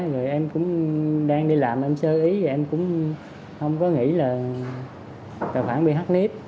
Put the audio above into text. rồi em cũng đang đi làm em sơ ý và em cũng không có nghĩ là tài khoản bị hắt nếp